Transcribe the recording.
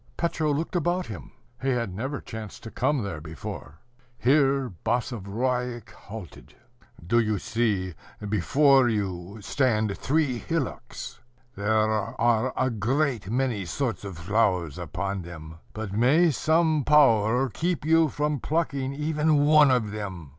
Petro looked about him: he had never chanced to come there before. Here Basavriuk halted. "Do you see, before you stand three hillocks? There are a great many sorts of flowers upon them. But may some power keep you from plucking even one of them.